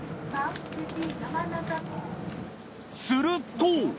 すると。